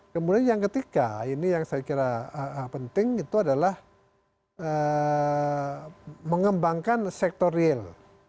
kemudian yang ketiga ini yang saya kira penting itu adalah mengembangkan sektor real